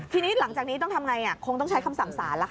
ทีนี้หลังจากนี้ต้องทำอะไรคงต้องใช้คำสั่งศาล